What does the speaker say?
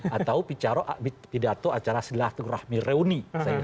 atau pidato acara silahtur rahmi reuni